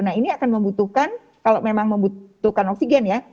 nah ini akan membutuhkan kalau memang membutuhkan oksigen ya